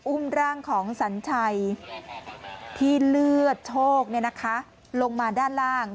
อุ้มร่างของสัญชัยที่เลือดโชคลงมาด้านล่าง